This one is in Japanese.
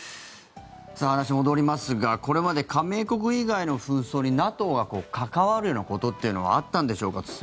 さあ、話は戻りますがこれまで加盟国以外の紛争にＮＡＴＯが関わるようなことというのはあったんでしょうか。